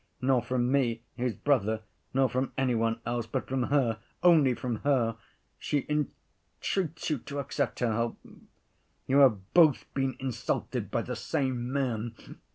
Nor from me, his brother, nor from any one else, but from her, only from her! She entreats you to accept her help.... You have both been insulted by the same man.